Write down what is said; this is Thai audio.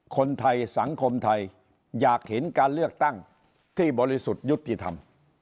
คนไทยสังคมไทยอยากเห็นการเลือกตั้งที่บริสุทธิ์ยุติธรรม